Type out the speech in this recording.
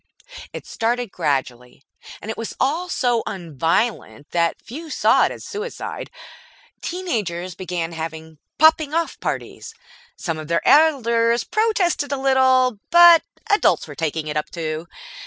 It started gradually, and it was all so un violent that few saw it as suicide. Teen agers began having "Popping off parties". Some of their elders protested a little, but adults were taking it up too.